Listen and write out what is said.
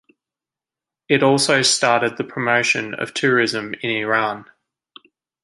It also started the promotion of tourism in Iran.